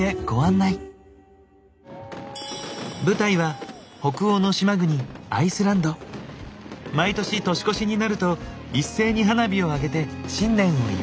舞台は北欧の島国毎年年越しになると一斉に花火をあげて新年を祝う。